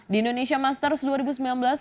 di indonesia masters dua ribu sembilan belas